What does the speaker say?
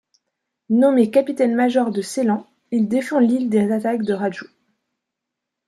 Nommé capitaine-major de Ceylan, il défend l’île des attaques de Raju.